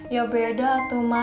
ya beda tuh ma